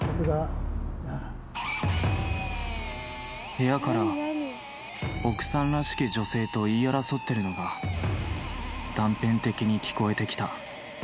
「部屋から奥さんらしき女性と言い争ってるのが断片的に聞こえてきた」